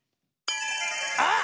あっ！